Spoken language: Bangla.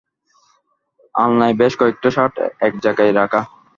আলনায় বেশ কয়েকটা শার্ট এক জায়গায় রাখা।